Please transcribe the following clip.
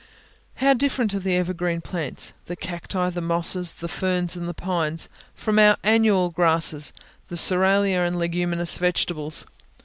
How different are the evergreen plants, the cacti, the mosses, the ferns, and the pines, from our annual grasses, the cerealia and leguminous vegetables!